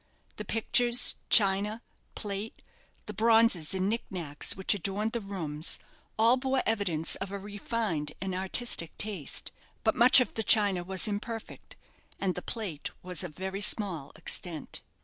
The pictures, china, plate, the bronzes and knick knacks which adorned the rooms, all bore evidence of a refined and artistic taste. But much of the china was imperfect, and the plate was of very small extent.